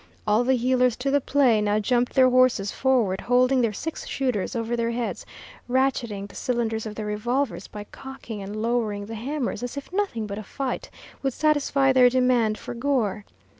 All the heelers to the play now jumped their horses forward, holding their six shooters over their heads, ratcheting the cylinders of their revolvers by cocking and lowering the hammers, as if nothing but a fight would satisfy their demand for gore.